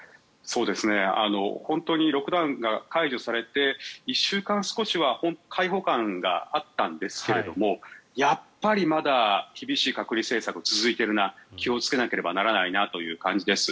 本当にロックダウンが解除されて１週間少しは開放感があったんですがやっぱりまだ厳しい隔離政策が続いているな気をつけなければならないなという感じです。